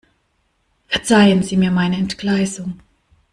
Verzeihen Sie mir meine Entgleisung.